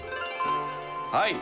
はい。